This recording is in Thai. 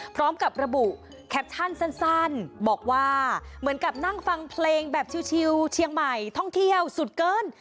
พร้อมกับระบุแคปชั่นสั้นบอกว่าเหมือนกับนั่งฟังเพลงแบบชิลเชียงใหม่ท่องเที่ยวสุดเกิน